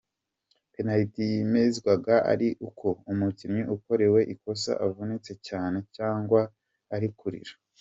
Penaliti yemezwaga ari uko umukinnyi ukorewe ikosa avunitse cyane, cyangwa ari kurira.